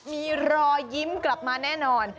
มีรอยยิ้มกลับมาแน่นอน